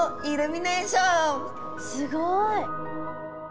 すごい。